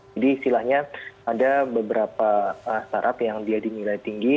jadi istilahnya ada beberapa startup yang dia dinilai tinggi